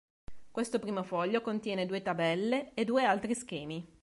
Questo primo foglio contiene due tabelle e due altri schemi.